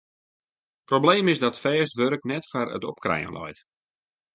Probleem is dat fêst wurk net foar it opkrijen leit.